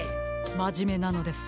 まじめなのですね。